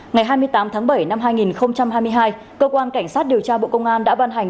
ngày hai mươi tám tháng bảy năm hai nghìn hai mươi hai cơ quan cảnh sát điều tra bộ công an đã ban hành